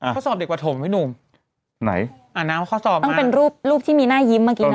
ข้อสอบเด็กประถมพี่หนุ่มต้องเป็นรูปที่มีหน้ายิ้มเมื่อกี้เนอะ